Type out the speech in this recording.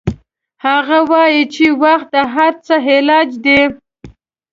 هغه وایي چې وخت د هر څه علاج ده